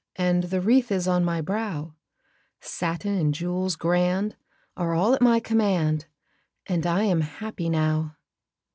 And the wreath is on my brow; Satin and jewels grand Are all at my command, And I am happy now.